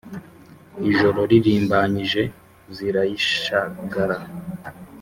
ijoro ririmbanyije, zirayishagara